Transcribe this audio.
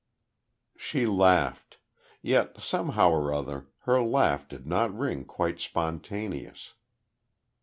She laughed; yet somehow or other her laugh did not ring quite spontaneous.